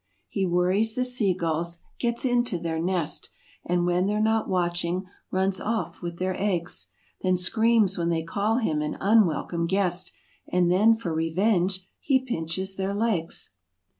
He worries the sea gulls— gets into their nest — And when they're not watching runs off with their eggs, Then screams when they call him an unwelcome guest, And then for revenge he pinches their legs.